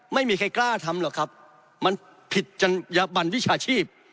ไม่มีใครกล้าทำหรอกครับมันผิดจัญญบันวิชาชีพ